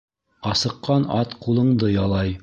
Асыҡҡан ат ҡулыңды ялай